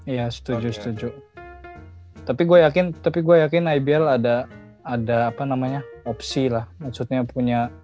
ya setuju setuju tapi gue yakin tapi gue yakin ibl ada ada apa namanya opsi lah maksudnya punya